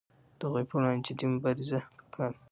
د هغو پر وړاندې جدي مبارزه پکار ده.